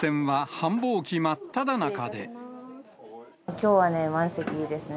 きょうはね、満席ですね。